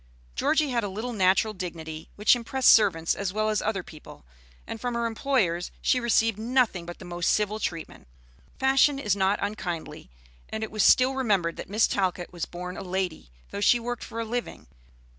Georgie had a little natural dignity which impressed servants as well as other people, and from her employers she received nothing but the most civil treatment. Fashion is not unkindly, and it was still remembered that Miss Talcott was born a lady, though she worked for a living.